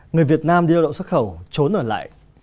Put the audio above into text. người việt nam đi lao động xuất khẩu trốn ở lại